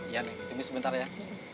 iya nek tunggu sebentar ya